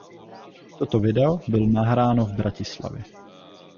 Toto video bylo nahráno v Bratislavě.